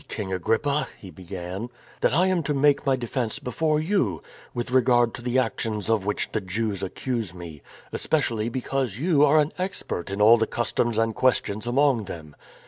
King Agrippa," he began, *' that I am to make my defence before you, with regard to the actions of which the Jews accuse me; especially because you are an expert in all the customs and questions among them.